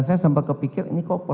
saya akan mencoba untuk mencoba